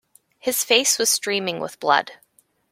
His face was streaming with blood.